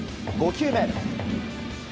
５球目。